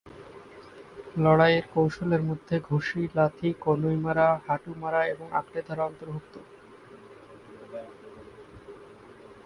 লড়াইয়ের কৌশলের মধ্যে ঘুষি, লাথি, কনুই মারা, হাঁটু মারা এবং আঁকড়ে ধরা অন্তর্ভুক্ত।